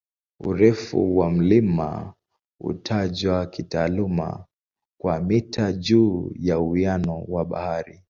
Urefu wa mlima hutajwa kitaalamu kwa "mita juu ya uwiano wa bahari".